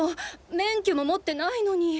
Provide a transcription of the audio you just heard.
免許も持ってないのに。